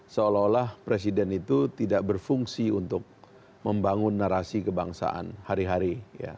seolah olah presiden itu tidak berfungsi untuk membangun narasi kebangsaan hari hari